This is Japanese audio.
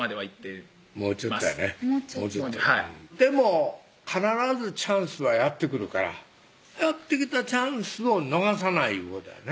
もうちょっとやねはいでも必ずチャンスはやって来るからやって来たチャンスを逃さないいうことやね